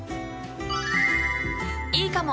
いいかも！